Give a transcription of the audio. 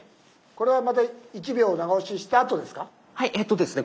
これはまた１秒長押ししたあとですか？